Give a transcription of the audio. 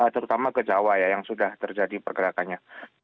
terutama ke jawa ya yang sudah terjadi pergerakannya